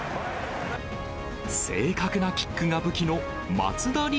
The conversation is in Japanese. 正確なキックが武器の松田力